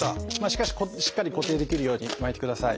しかししっかり固定できるように巻いてください。